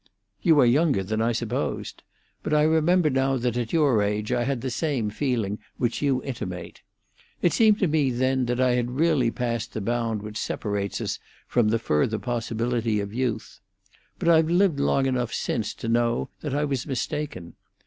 "You are younger than I supposed. But I remember now that at your age I had the same feeling which you intimate. It seemed to me then that I had really passed the bound which separates us from the further possibility of youth. But I've lived long enough since to know that I was mistaken.